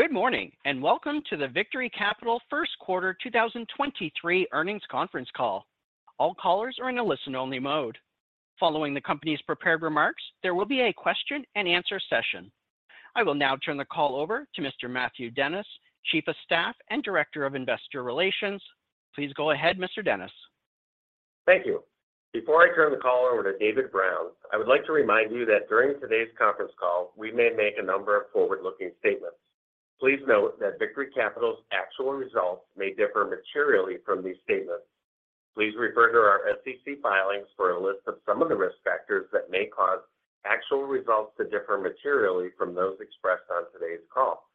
Good morning, welcome to the Victory Capital first quarter 2023 earnings conference call. All callers are in a listen-only mode. Following the company's prepared remarks, there will be a question-and-answer session. I will now turn the call over to Mr. Matthew Dennis, Chief of Staff and Director of Investor Relations. Please go ahead, Mr. Dennis. Thank you. Before I turn the call over to David Brown, I would like to remind you that during today's conference call, we may make a number of forward-looking statements. Please note that Victory Capital's actual results may differ materially from these statements. Please refer to our SEC filings for a list of some of the risk factors that may cause actual results to differ materially from those expressed on today's call.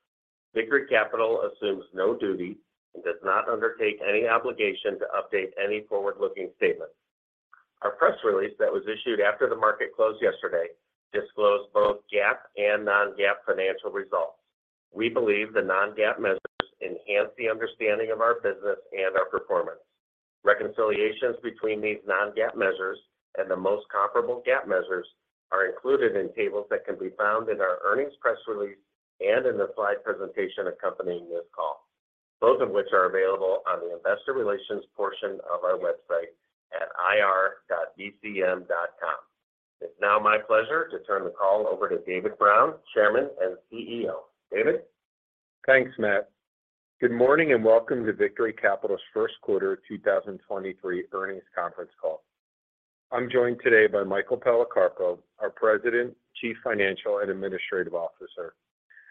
Victory Capital assumes no duty and does not undertake any obligation to update any forward-looking statements. Our press release that was issued after the market closed yesterday disclosed both GAAP and non-GAAP financial results. We believe the non-GAAP measures enhance the understanding of our business and our performance. Reconciliations between these non-GAAP measures and the most comparable GAAP measures are included in tables that can be found in our earnings press release and in the slide presentation accompanying this call, both of which are available on the investor relations portion of our website at ir.vcm.com. It's now my pleasure to turn the call over to David Brown, Chairman and CEO. David? Thanks, Matt. Good morning, and welcome to Victory Capital's first quarter 2023 earnings conference call. I'm joined today by Michael Policarpo, our President, Chief Financial and Administrative Officer,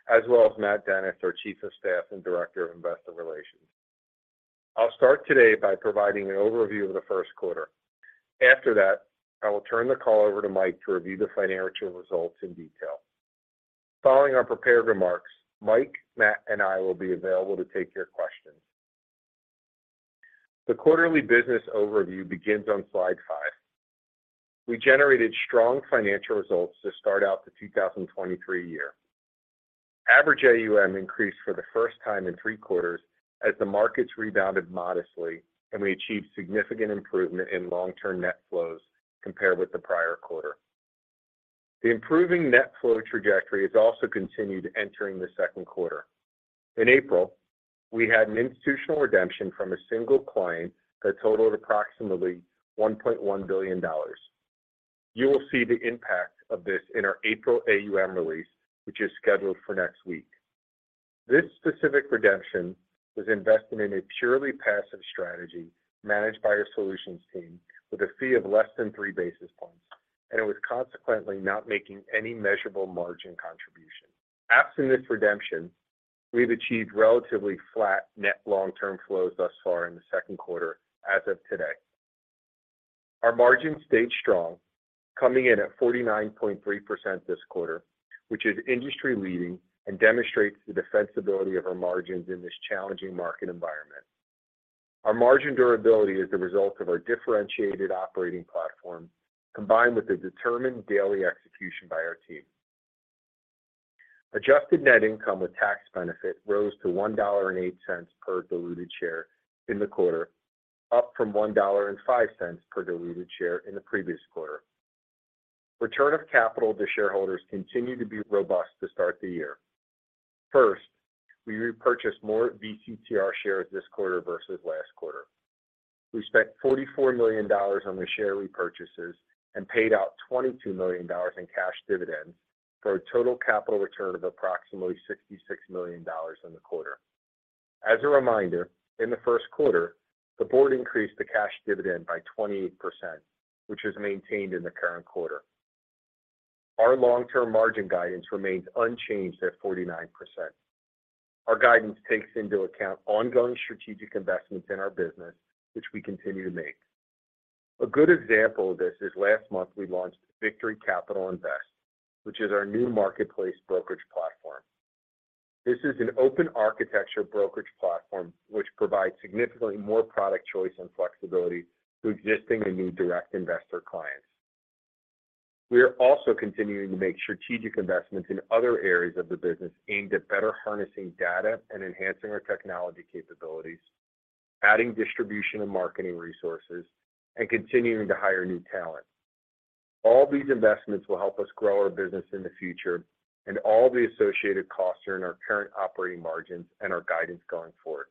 as well as Matt Dennis, our Chief of Staff and Director of Investor Relations. I'll start today by providing an overview of the first quarter. After that, I will turn the call over to Mike to review the financial results in detail. Following our prepared remarks, Mike, Matt, and I will be available to take your questions. The quarterly business overview begins on slide 5. We generated strong financial results to start out the 2023 year. Average AUM increased for the first time in three quarters as the markets rebounded modestly, and we achieved significant improvement in long-term net flows compared with the prior quarter. The improving net flow trajectory has also continued entering the second quarter. In April, we had an institutional redemption from a single client that totaled approximately $1.1 billion. You will see the impact of this in our April AUM release, which is scheduled for next week. This specific redemption was invested in a purely passive strategy managed by our solutions team with a fee of less than 3 basis points, and it was consequently not making any measurable margin contribution. Absent this redemption, we've achieved relatively flat net long-term flows thus far in the second quarter as of today. Our margin stayed strong, coming in at 49.3% this quarter, which is industry-leading and demonstrates the defensibility of our margins in this challenging market environment. Our margin durability is the result of our differentiated operating platform combined with the determined daily execution by our team. Adjusted net income with tax benefit rose to $1.08 per diluted share in the quarter, up from $1.05 per diluted share in the previous quarter. Return of capital to shareholders continued to be robust to start the year. First, we repurchased more VCTR shares this quarter versus last quarter. We spent $44 million on the share repurchases and paid out $22 million in cash dividends for a total capital return of approximately $66 million in the quarter. As a reminder, in the first quarter, the board increased the cash dividend by 28%, which is maintained in the current quarter. Our long-term margin guidance remains unchanged at 49%. Our guidance takes into account ongoing strategic investments in our business, which we continue to make. A good example of this is last month we launched Victory Capital InVest, which is our new marketplace brokerage platform. This is an open architecture brokerage platform which provides significantly more product choice and flexibility to existing and new direct investor clients. We are also continuing to make strategic investments in other areas of the business aimed at better harnessing data and enhancing our technology capabilities, adding distribution and marketing resources, and continuing to hire new talent. All these investments will help us grow our business in the future, and all the associated costs are in our current operating margins and our guidance going forward.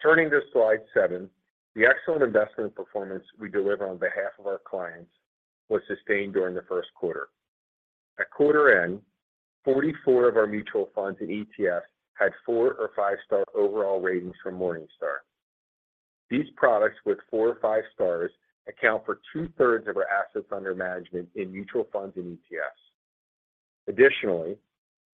Turning to slide 7, the excellent investment performance we deliver on behalf of our clients was sustained during the first quarter. At quarter end, 44 of our mutual funds and ETFs had 4 or 5-star overall ratings from Morningstar. These products with 4 or 5-stars account for two-thirds of our assets under management in mutual funds and ETFs. Additionally,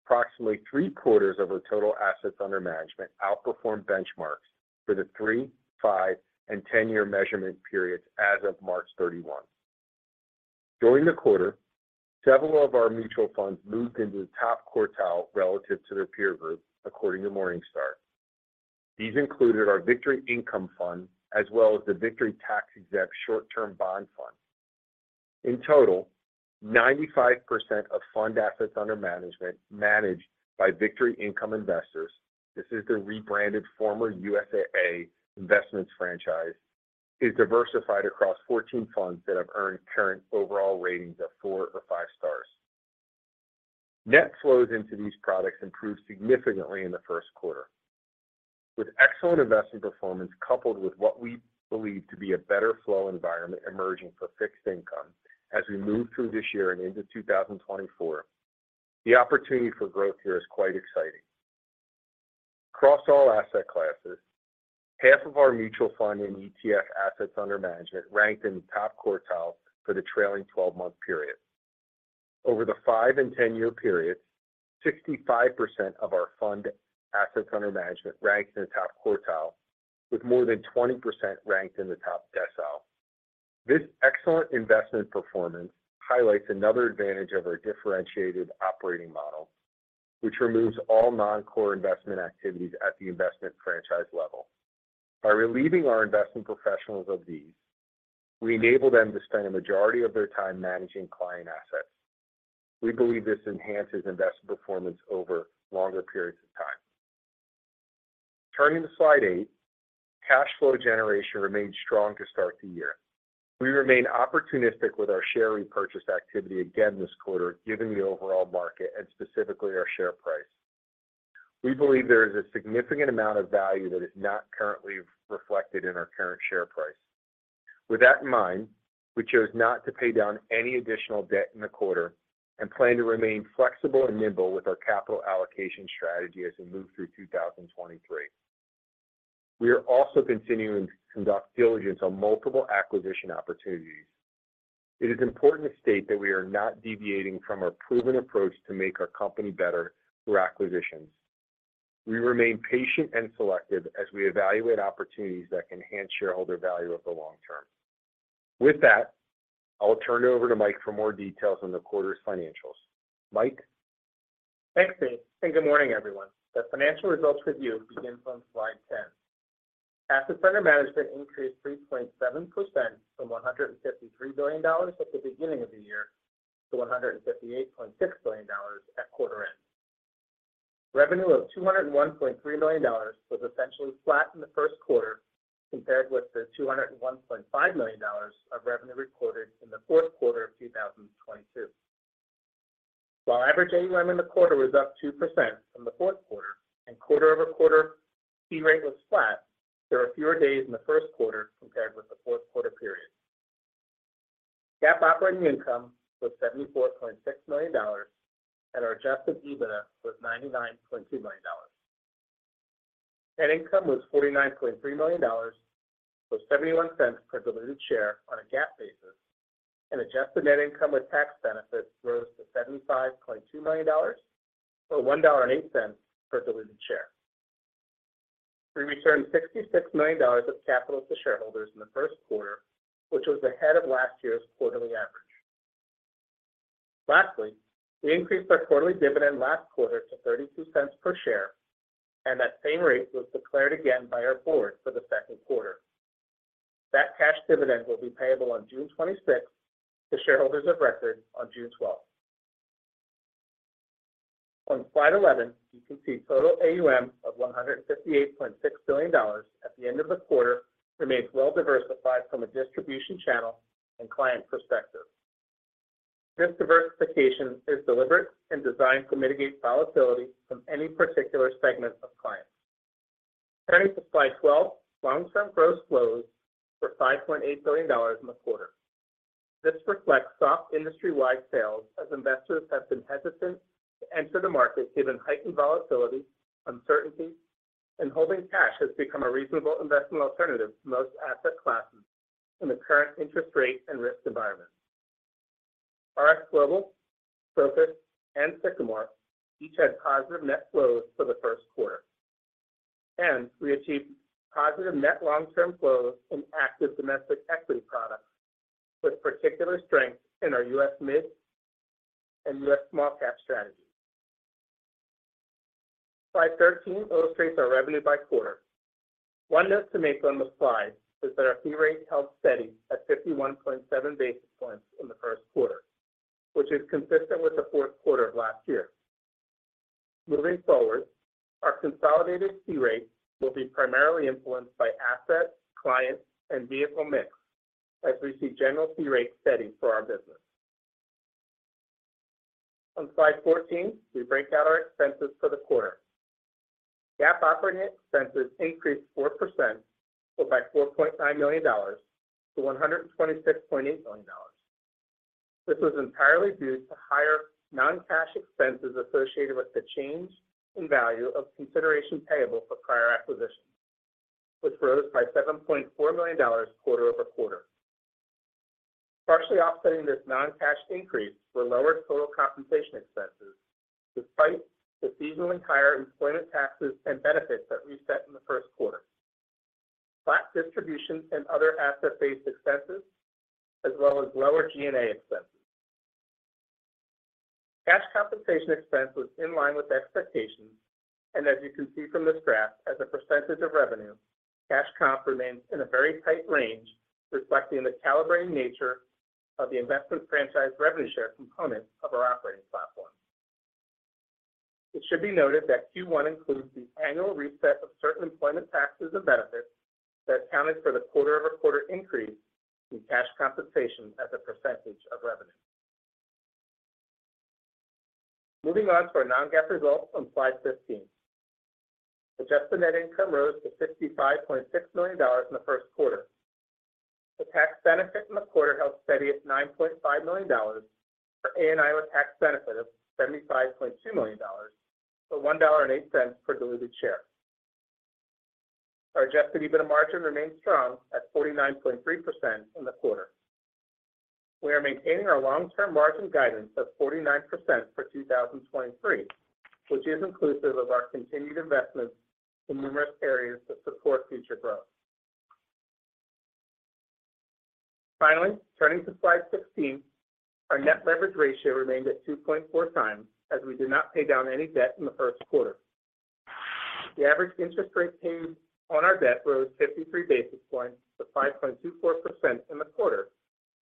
approximately three-quarters of our total assets under management outperformed benchmarks for the 3, 5, and 10-year measurement periods as of 31 March. During the quarter, several of our mutual funds moved into the top quartile relative to their peer group, according to Morningstar. These included our Victory Income Fund as well as the Victory Tax Exempt Short-Term Fund. In total, 95% of fund assets under management managed by Victory Income Investors, this is the rebranded former USAA Investments franchise. Is diversified across 14 funds that have earned current overall ratings of 4 or 5-stars. Net flows into these products improved significantly in the first quarter. With excellent investment performance, coupled with what we believe to be a better flow environment emerging for fixed income as we move through this year and into 2024, the opportunity for growth here is quite exciting. Across all asset classes, half of our mutual fund and ETF assets under management ranked in the top quartile for the trailing 12-month period. Over the 5- and 10-year periods, 65% of our fund assets under management ranked in the top quartile, with more than 20% ranked in the top decile. This excellent investment performance highlights another advantage of our differentiated operating model, which removes all non-core investment activities at the investment franchise level. By relieving our investment professionals of these, we enable them to spend a majority of their time managing client assets. We believe this enhances investment performance over longer periods of time. Turning to slide 8, cash flow generation remained strong to start the year. We remain opportunistic with our share repurchase activity again this quarter, given the overall market and specifically our share price. We believe there is a significant amount of value that is not currently reflected in our current share price. With that in mind, we chose not to pay down any additional debt in the quarter and plan to remain flexible and nimble with our capital allocation strategy as we move through 2023. We are also continuing to conduct diligence on multiple acquisition opportunities. It is important to state that we are not deviating from our proven approach to make our company better through acquisitions. We remain patient and selective as we evaluate opportunities that can enhance shareholder value over the long-term. I will turn it over to Mike for more details on the quarter's financials. Mike? Thanks, Dave. Good morning, everyone. The financial results review begins on slide 10. Assets under management increased 3.7% from $153 billion at the beginning of the year to $158.6 billion at quarter end. Revenue of $201.3 million was essentially flat in the first quarter compared with the $201.5 million of revenue recorded in the fourth quarter of 2022. Average AUM in the quarter was up 2% from the fourth quarter and quarter-over-quarter fee rate was flat, there were fewer days in the first quarter compared with the fourth quarter period. GAAP operating income was $74.6 million and our adjusted EBITDA was $99.2 million. Net income was $49.3 million, or $0.71 per diluted share on a GAAP basis, and adjusted net income with tax benefits rose to $75.2 million- $1.08 per diluted share. We returned $66 million of capital to shareholders in the first quarter, which was ahead of last year's quarterly average. Lastly, we increased our quarterly dividend last quarter to $0.32 per share, and that same rate was declared again by our board for the second quarter. That cash dividend will be payable on 26th June to shareholders of record on 12th June. On slide 11, you can see total AUM of $158.6 billion at the end of the quarter remains well-diversified from a distribution channel and client perspective. This diversification is deliberate and designed to mitigate volatility from any particular segment of clients. Turning to slide 12, long-term gross flows were $5.8 billion in the quarter. This reflects soft industry-wide sales as investors have been hesitant to enter the market given heightened volatility, uncertainty, and holding cash has become a reasonable investment alternative to most asset classes in the current interest rate and risk environment. RX Global, Focus, and Sycamore each had positive net flows for the first quarter. We achieved positive net long-term flows in active domestic equity products, with particular strength in our U.S. mid and U.S. small cap strategies. Slide 13 illustrates our revenue by quarter. One note to make on the slide is that our fee rate held steady at 51.7 basis points in the first quarter, which is consistent with the fourth quarter of last year. Moving forward, our consolidated fee rate will be primarily influenced by asset, client, and vehicle mix as we see general fee rates steady for our business. On slide 14, we break out our expenses for the quarter. GAAP operating expenses increased 4% or by $4.9 million-$126.8 million. This was entirely due to higher non-cash expenses associated with the change in value of consideration payable for prior acquisitions, which rose by $7.4 million quarter-over-quarter. Partially offsetting this non-cash increase were lower total compensation expenses despite the seasonally higher employment taxes and benefits that we set in the first quarter. Flat distributions and other asset-based expenses as well as lower G&A expenses. Cash compensation expense was in line with expectations. As you can see from this graph, as a percentage of revenue, cash comp remains in a very tight range, reflecting the calibrating nature of the investment franchise revenue share component of our operating platform. It should be noted that Q1 includes the annual reset of certain employment taxes and benefits that accounted for the quarter-over-quarter increase in cash compensation as a percentage of revenue. Moving on to our non-GAAP results on slide 15. Adjusted net income rose to $65.6 million in the first quarter. The tax benefit in the quarter held steady at $9.5 million for ANI with tax benefit of $75.2 million, or $1.08 per diluted share. Our adjusted EBITDA margin remained strong at 49.3% in the quarter. We are maintaining our long-term margin guidance of 49% for 2023, which is inclusive of our continued investments in numerous areas that support future growth. Finally, turning to slide 16. Our net leverage ratio remained at 2.4x as we did not pay down any debt in the first quarter. The average interest rate paid on our debt rose 53 basis points to 5.24% in the quarter,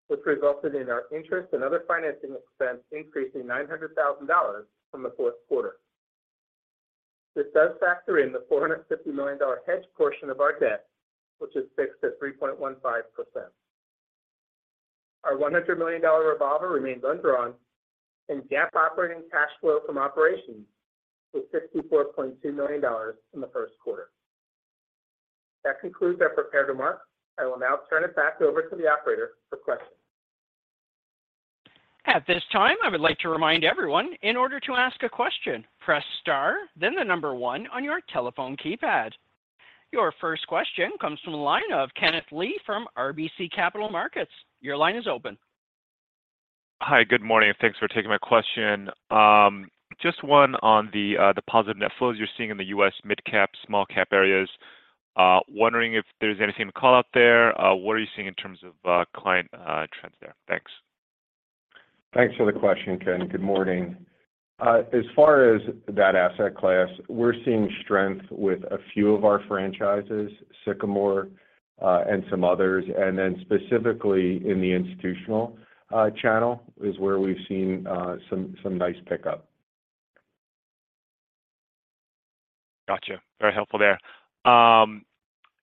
which resulted in our interest and other financing expense increasing $900,000 from the fourth quarter. This does factor in the $450 million hedge portion of our debt, which is fixed at 3.15%. Our $100 million revolver remains undrawn and GAAP operating cash flow from operations was $64.2 million in the first quarter. That concludes our prepared remarks. I will now turn it back over to the operator for questions. At this time, I would like to remind everyone, in order to ask a question, press star then the number one on your telephone keypad. Your first question comes from the line of Kenneth Lee from RBC Capital Markets. Your line is open. Hi. Good morning, thanks for taking my question. Just one on the the positive net flows you're seeing in the US mid-cap, small cap areas. Wondering if there's anything to call out there. What are you seeing in terms of client trends there? Thanks. Thanks for the question, Ken. Good morning. As far as that asset class, we're seeing strength with a few of our franchises, Sycamore, and some others. Specifically in the institutional channel is where we've seen some nice pickup. Gotcha. Very helpful there.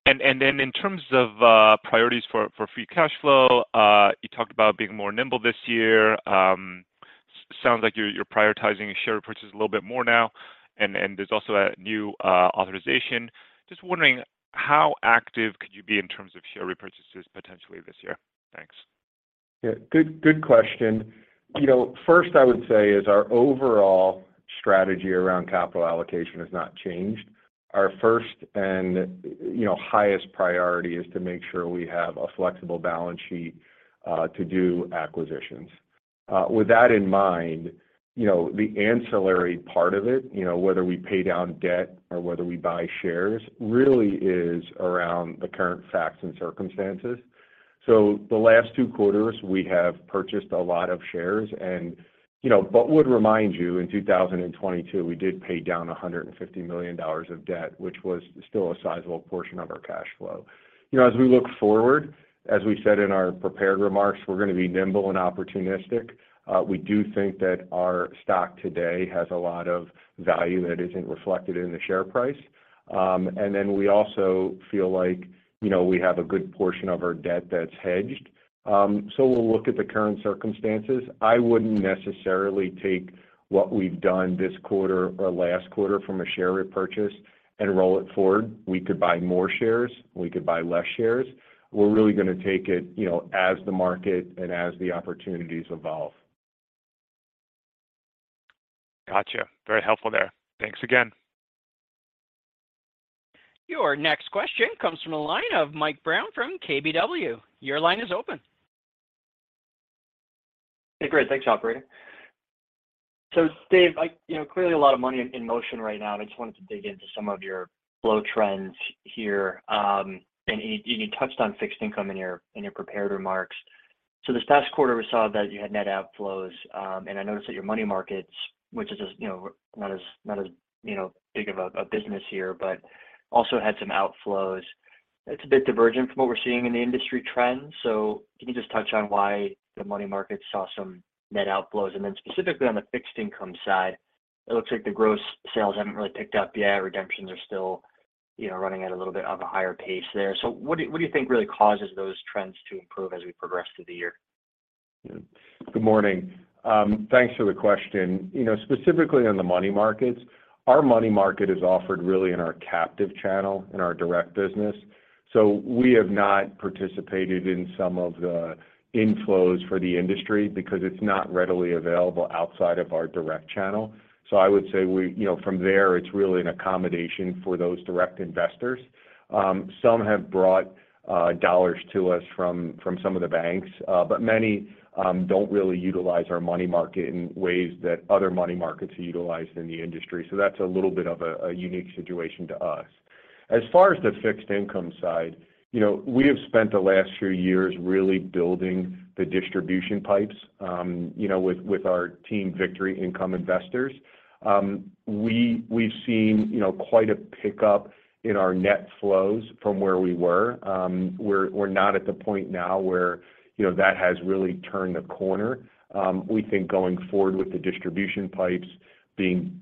In terms of priorities for free cash flow, you talked about being more nimble this year. Sounds like you're prioritizing share purchases a little bit more now, and there's also a new authorization. Just wondering how active could you be in terms of share repurchases potentially this year? Thanks. Yeah. Good, good question. You know, first I would say is our overall strategy around capital allocation has not changed. Our first and, highest priority is to make sure we have a flexible balance sheet to do acquisitions. With that in mind, the ancillary part of it, whether we pay down debt or whether we buy shares really is around the current facts and circumstances. The last two quarters we have purchased a lot of shares and but would remind you in 2022, we did pay down $150 million of debt, which was still a sizable portion of our cash flow. You know, as we look forward, as we said in our prepared remarks, we're gonna be nimble and opportunistic. We do think that our stock today has a lot of value that isn't reflected in the share price. We also feel like, we have a good portion of our debt that's hedged. We'll look at the current circumstances. I wouldn't necessarily take what we've done this quarter or last quarter from a share repurchase and roll it forward. We could buy more shares, we could buy less shares. We're really gonna take it, as the market and as the opportunities evolve. Gotcha. Very helpful there. Thanks again. Your next question comes from the line of Mike Brown from KBW. Your line is open. Hey, great. Thanks, operator. Dave, clearly a lot of money in motion right now, and I just wanted to dig into some of your flow trends here. You touched on fixed income in your, in your prepared remarks. This past quarter, we saw that you had net outflows. I noticed that your money markets, which is not as, big of a business here, but also had some outflows. It's a bit divergent from what we're seeing in the industry trends. Can you just touch on why the money markets saw some net outflows? Then specifically on the fixed income side, it looks like the gross sales haven't really picked up yet. Redemptions are still, running at a little bit of a higher pace there. What do you think really causes those trends to improve as we progress through the year? Good morning. Thanks for the question. You know, specifically on the money markets, our money market is offered really in our captive channel in our direct business. We have not participated in some of the inflows for the industry because it's not readily available outside of our direct channel. I would say, from there, it's really an accommodation for those direct investors. Some have brought dollars to us from some of the banks, but many don't really utilize our money market in ways that other money markets are utilized in the industry. That's a little bit of a unique situation to us. As far as the fixed income side, we have spent the last few years really building the distribution pipes, with our team Victory Income Investors. We've seen, quite a pickup in our net flows from where we were. We're not at the point now where, that has really turned a corner. We think going forward with the distribution pipes being,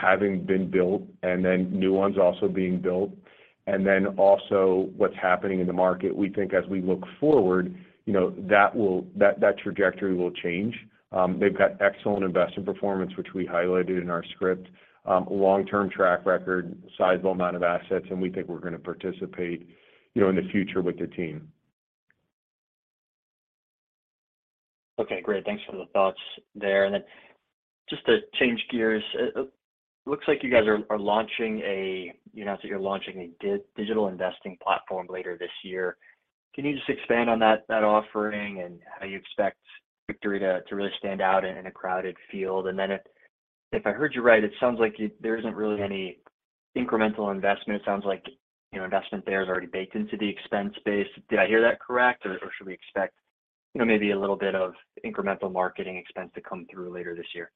having been built and then new ones also being built, and then also what's happening in the market, we think as we look forward, that trajectory will change. They've got excellent investor performance, which we highlighted in our script, long-term track record, sizable amount of assets, and we think we're gonna participate, in the future with the team. Okay. Great. Thanks for the thoughts there. Just to change gears, looks like you guys are launching a digital investing platform later this year. Can you just expand on that offering and how you expect Victory to really stand out in a crowded field? If I heard you right, it sounds like there isn't really any incremental investment. Sounds like, investment there is already baked into the expense base. Did I hear that correct or should we expect, maybe a little bit of incremental marketing expense to come through later this year?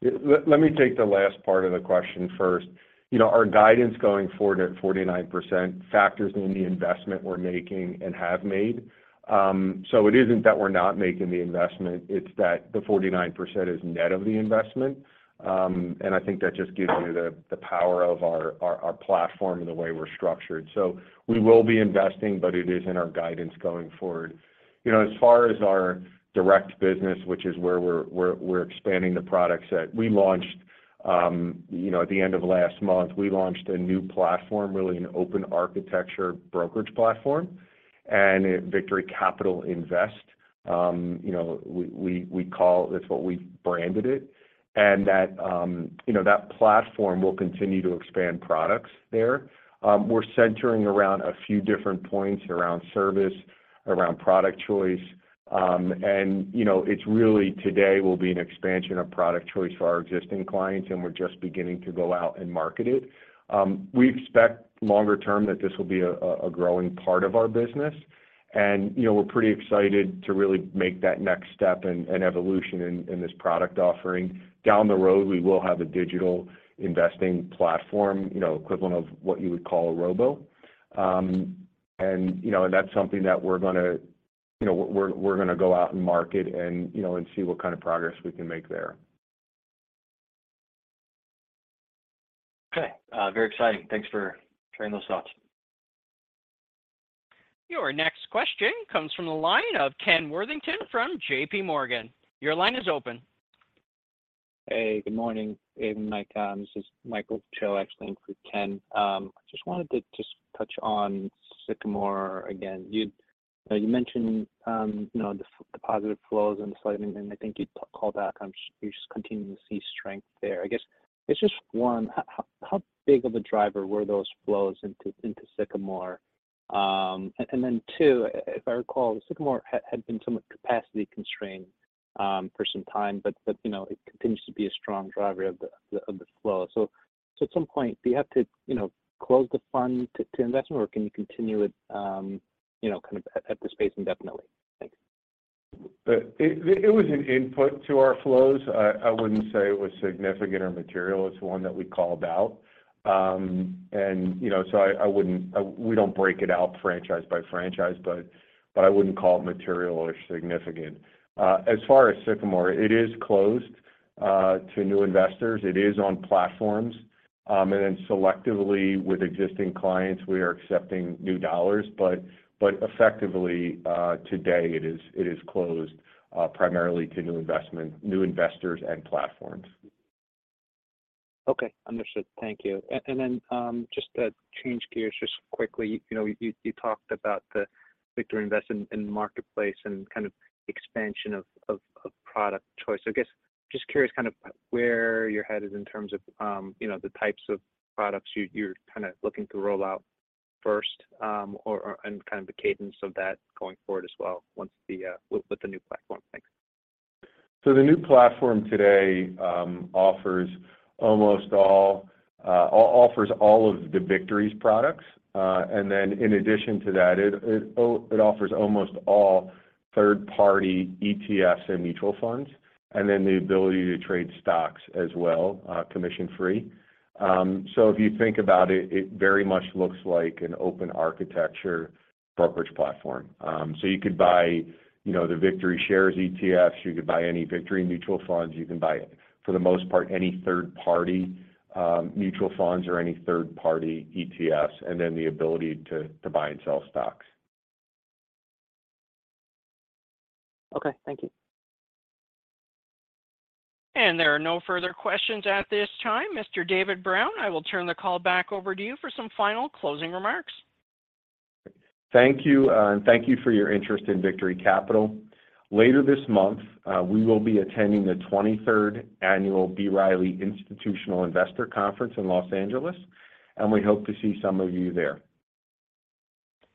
Let me take the last part of the question first. You know, our guidance going forward at 49% factors in the investment we're making and have made. It isn't that we're not making the investment, it's that the 49% is net of the investment. I think that just gives you the power of our platform and the way we're structured. We will be investing, but it is in our guidance going forward. You know, as far as our direct business, which is where we're expanding the product set, we launched, at the end of last month. We launched a new platform, really an open architecture brokerage platform. Victory Capital InVest, that's what we branded it. That platform will continue to expand products there. We're centering around a few different points around service, around product choice. You know, it's really today will be an expansion of product choice for our existing clients, and we're just beginning to go out and market it. We expect longer term that this will be a growing part of our business. You know, we're pretty excited to really make that next step and evolution in this product offering. Down the road, we will have a digital investing platform, equivalent of what you would call a robo. You know, that's something that we're gonna, we're gonna go out and market and, see what kind of progress we can make there. Okay. Very exciting. Thanks for sharing those thoughts. Your next question comes from the line of Ken Worthington from JPMorgan. Your line is open. Hey, good morning, David and Mike. This is Michael Cho actually in for Ken. Just wanted to just touch on Sycamore again. You mentioned,, the positive flows and the slight, and I think you'd call that, you're just continuing to see strength there. I guess it's just, one, how big of a driver were those flows into Sycamore? Two, if I recall, Sycamore had been somewhat capacity constrained for some time, but, it continues to be a strong driver of the flow. At some point, do you have to, close the fund to investment or can you continue it, kind of at this pace indefinitely? Thanks. Our flows. I wouldn't say it was significant or material. It's one that we called out. And, so I wouldn't. We don't break it out franchise by franchise, but I wouldn't call it material or significant. As far as Sycamore, it is closed to new investors. It is on platforms. And then selectively with existing clients, we are accepting new dollars. But effectively, today it is closed primarily to new investment, new investors and platforms Okay. Understood. Thank you. Then, just to change gears just quickly. You know, you talked about the Victory Capital InVest in the marketplace and kind of expansion of product choice. I guess just curious kind of where your head is in terms of, the types of products you're kind of looking to roll out first and kind of the cadence of that going forward as well once with the new platform. Thanks. The new platform today offers all of the Victory's products. In addition to that, it offers almost all third-party ETFs and mutual funds, and then the ability to trade stocks as well, commission free. If you think about it very much looks like an open architecture brokerage platform. You could buy the VictoryShares ETFs, you could buy any Victory mutual funds. You can buy, for the most part, any third party mutual funds or any third party ETFs, and then the ability to buy and sell stocks. Okay. Thank you. There are no further questions at this time. Mr. David Brown, I will turn the call back over to you for some final closing remarks. Thank you, and thank you for your interest in Victory Capital. Later this month, we will be attending the 23rd Annual B. Riley Institutional Investor Conference in L.A.. We hope to see some of you there.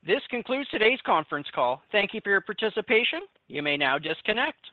This concludes today's conference call. Thank Thank you for your participation. You may now disconnect.